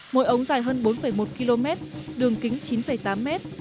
mỗi ống dài hơn bốn một km đường kính chín tám mét